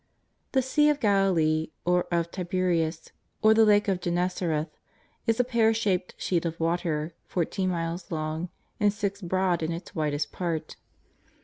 The Sea of Galilee, or of Tiberias, or the Lake of Gennesareth, is a pear shaped sheet of water, fourteen miles long and six broad in its widest part.